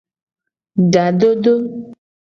Ga dodo.